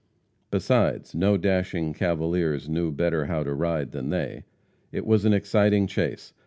Besides, no dashing cavaliers knew better how to ride than they. It was an exciting chase.